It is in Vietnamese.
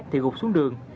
thì gục xuống đường